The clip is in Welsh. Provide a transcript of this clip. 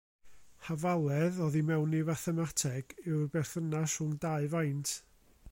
Hafaledd, oddi mewn i fathemateg, yw'r berthynas rhwng dau faint.